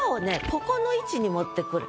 ここの位置に持ってくる。